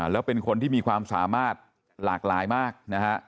แล้วเป็นคนที่มีความสามารถหลากหลายมากนะฮะ